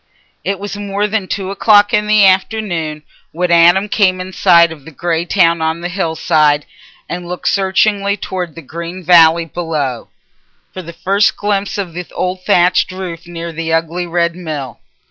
It was more than two o'clock in the afternoon when Adam came in sight of the grey town on the hill side and looked searchingly towards the green valley below, for the first glimpse of the old thatched roof near the ugly red mill.